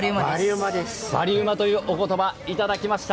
バリうまというお言葉いただきました。